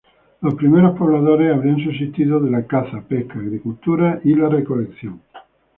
Los primeros pobladores habrían subsistido de la caza, pesca, agricultura, y la recolección.